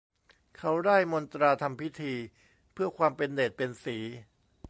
เขาร่ายมนต์ตราทำพิธี เพื่อความเป็นเดชเป็นศรี